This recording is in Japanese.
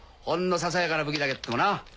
ささやかな武器だけっどもな。